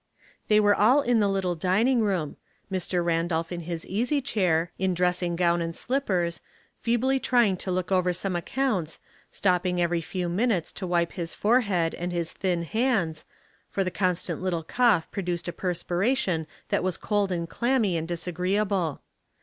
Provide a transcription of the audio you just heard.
They were all in the little dining room, Mr. Randolph in his easy chair, in dress ing gown and slippers, feebly trying to look over some accounts, stopping every few minutes to wipe his forehead and his thin hands, for the constant little cough produced a perspiration that was cold and clammy and disagreeable.